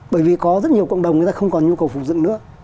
bởi vì có rất nhiều cộng đồng người ta không còn nhu cầu phục dựng nữa